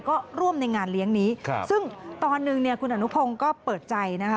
ก็ร่วมในงานเลี้ยงนี้ซึ่งตอนหนึ่งเนี่ยคุณอนุพงศ์ก็เปิดใจนะคะ